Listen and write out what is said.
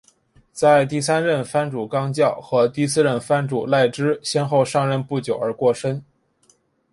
在第三任藩主纲教和第四任藩主赖织先后上任不久而过身。